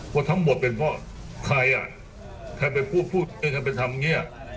ว่าทั้งหมดเป็นเพราะใครอ่ะแทนไปพูดพูดเองแทนไปทำอย่างเงี้ย